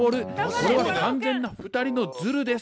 これは完全な２人のズルです。